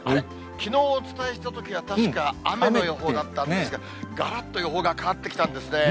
きのうお伝えしたときは、確か雨の予報だったんですが、がらっと予報が変わってきたんですね。